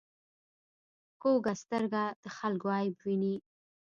کوږه سترګه د خلکو عیب ویني